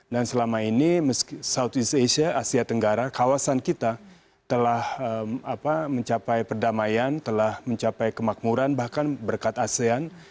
dan selama ini southeast asia asia tenggara kawasan kita telah mencapai perdamaian telah mencapai kemakmuran bahkan berkat asean